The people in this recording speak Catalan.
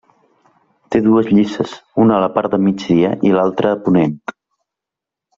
Té dues llices, una a la part de migdia i l'altra a ponent.